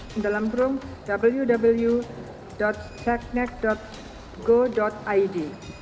di dalam room www seknek go id